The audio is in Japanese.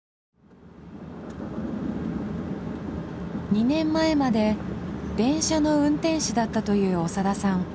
２年前まで電車の運転士だったという長田さん。